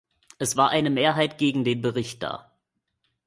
Es war eine Mehrheit gegen den Bericht da.